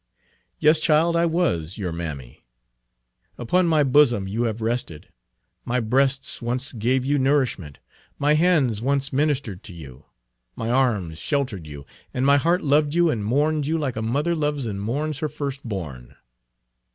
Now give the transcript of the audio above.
"Yes, child, I was your mammy. Upon my bosom you have rested; my breasts once gave you nourishment; my hands once ministered to you; my arms sheltered you, and my heart loved you and mourned you like a mother loves and mourns her firstborn."